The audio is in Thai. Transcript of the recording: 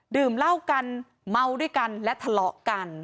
ดื่มเหล้ากันเมาด้วยกันและทะเลาะกัน